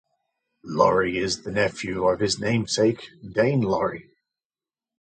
Laurie is the nephew of his namesake Daine Laurie.